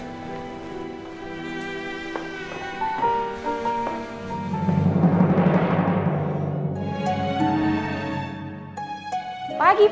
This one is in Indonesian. sholat subuh yuk